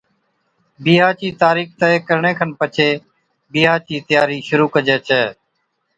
بِيھا چِي تاريخ طئي ڪرڻي کن پڇي بِيھا چِي تياري شرُوع ڪجي ڇَي